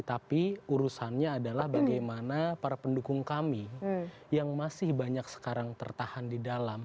tapi urusannya adalah bagaimana para pendukung kami yang masih banyak sekarang tertahan di dalam